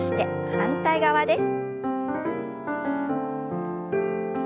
反対側です。